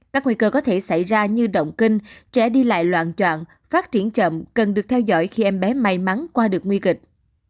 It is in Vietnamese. các nguy cơ có thể xảy ra như động kinh trẻ đi lại loạn trọng phát triển chậm cần được theo dõi khi em bé may mắn qua được nguy kịch